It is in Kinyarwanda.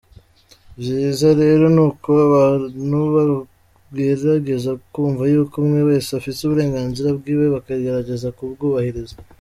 Vyiza rero nuko abantu bogerageza kwumva yuko umwe wese afise uburenganzira bwiwe bakagerageza kubwubahiriza".